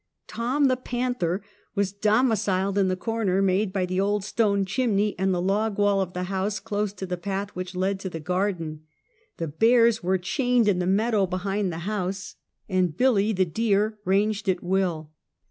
Tom, the panther, was domiciled in the corner made by the old stone chimney and the log wall of the house, close to the path which led to the garden. The bears were chained in the meadow behind the house and Billy, the deer, ranged at will.